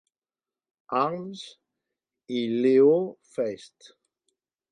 Harms, i Leo Feist.